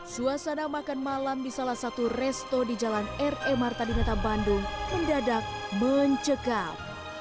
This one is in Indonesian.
suasana makan malam di salah satu resto di jalan r e marta dinata bandung mendadak mencekam